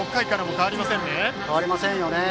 変わりませんよね。